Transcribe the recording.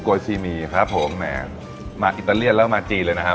ก็เลยต้องมีหลายอย่างให้เลือกสัตว์นะครับ